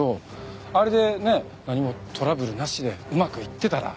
あれでね何もトラブルなしでうまくいってたら。